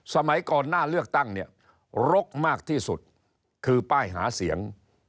สมัยก่อนหน้าเลือกตั้งเนี่ยรกมากที่สุดคือป้ายหาเสียง